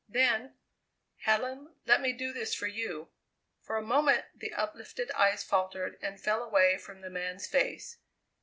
Then: "Helen, let me do this for you!" For a moment the uplifted eyes faltered and fell away from the man's face.